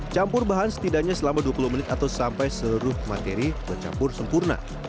campur bahan setidaknya selama dua puluh menit atau sampai seluruh materi bercampur sempurna